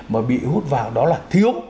mà bị hút vào đó là thiếu